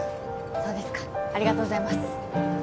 そうですかありがとうございます。